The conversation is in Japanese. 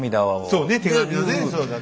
そうね手紙のね